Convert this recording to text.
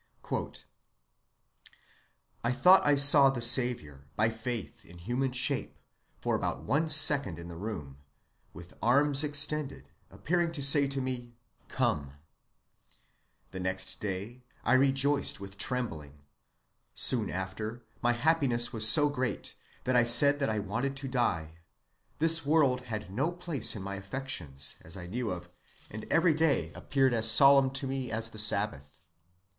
"I thought I saw the Saviour, by faith, in human shape, for about one second in the room, with arms extended, appearing to say to me, Come. The next day I rejoiced with trembling; soon after, my happiness was so great that I said that I wanted to die; this world had no place in my affections, as I knew of, and every day appeared as solemn to me as the Sabbath.